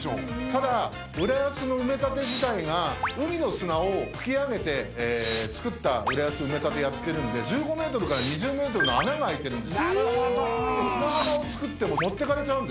ただ浦安の埋め立て自体が海の砂を引き上げてつくった浦安埋め立てやってるんで１５ｍから２０ｍの穴が空いてるんです